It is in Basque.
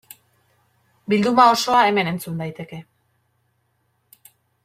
Bilduma osoa hemen entzun daiteke.